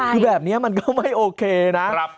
คือแบบนี้มันก็ไม่โอเคนะ